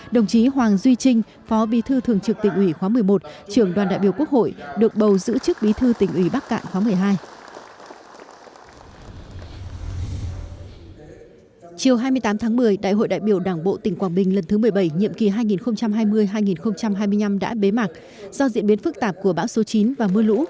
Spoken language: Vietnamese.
đồng chí hoàng duy trinh phó bi thư thường trực tỉnh ủy khóa một mươi một trưởng đoàn đại biểu quốc hội được bầu giữ chức bi thư tỉnh ủy bắc cạn khóa một mươi hai